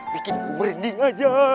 bikin gue merinding aja